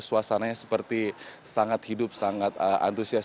suasananya seperti sangat hidup sangat antusias